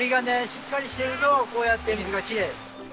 しっかりしてるとこうやって水がきれい。